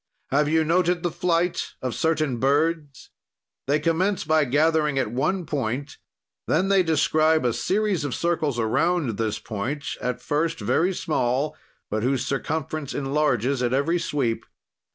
"Have you noted the flight of certain birds? "They commence by gathering at one point, then they describe a series of circles around this point, at first very small, but whose circumference enlarges at every sweep.